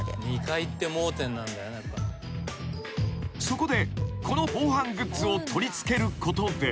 ［そこでこの防犯グッズを取り付けることで］